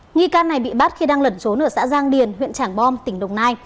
nghi can này bị bắt khi đang lẩn trốn ở xã giang điền huyện trảng bom tỉnh đồng nai